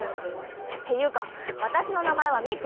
っていうか私の名前は「未来」！